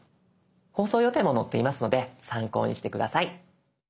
放送予定も載っていますので参考にして下さい。